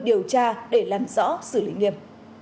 điều tra để làm rõ sự lĩnh nghiệm